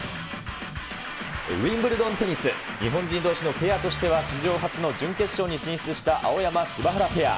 ウィンブルドンテニス、日本人どうしのペアとしては、史上初の準決勝に進出した、青山・柴原ペア。